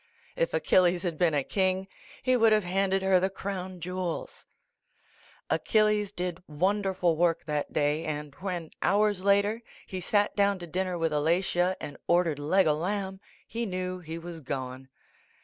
If Achilles had been a king he would have handed her the crown jewels. The Flash Back 105 Ula^tUi. Ut'H Va Achilles did wonderful work that day and when, hours later, he sat down to din ner with Alatia and ordered leg o' lamb, he knew he was gone.